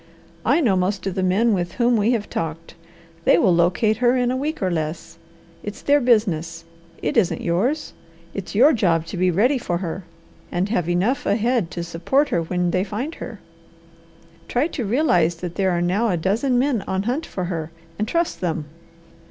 I know most of the men with whom we have talked. They will locate her in a week or less. It's their business. It isn't yours. It's your job to be ready for her, and have enough ahead to support her when they find her. Try to realize that there are now a dozen men on hunt for her, and trust them.